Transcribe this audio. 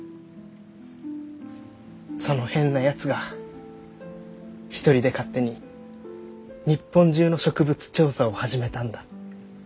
その変なやつが一人で勝手に日本中の植物調査を始めたんだ。